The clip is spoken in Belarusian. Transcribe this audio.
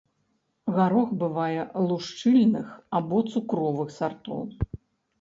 Гарох бывае лушчыльных або цукровых сартоў.